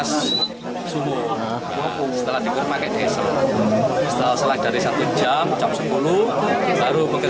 setelah selang dari satu jam jam sepuluh baru penggantiannya turun